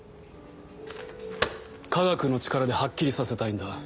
科学の力ではっきりさせたいんだ。